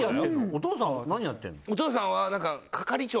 お父さんは何やってるの？